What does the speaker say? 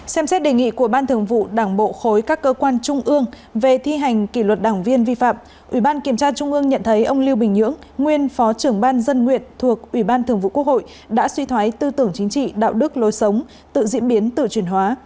xem xét đề nghị của ban thường vụ đảng bộ khối các cơ quan trung ương về thi hành kỷ luật đảng viên vi phạm ủy ban kiểm tra trung ương nhận thấy ông lưu bình nhưỡng nguyên phó trưởng ban dân nguyện thuộc ủy ban thường vụ quốc hội đã suy thoái tư tưởng chính trị đạo đức lối sống tự diễn biến tự truyền hóa